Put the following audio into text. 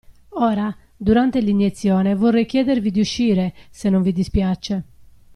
Ora, durante l'iniezione vorrei chiedervi di uscire, se non vi dispiace.